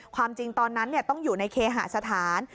ความจริงตอนนั้นต้องอยู่ในเคหาสถาน